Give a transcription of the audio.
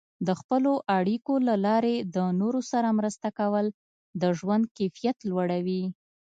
د خپلو اړیکو له لارې د نورو سره مرسته کول د ژوند کیفیت لوړوي.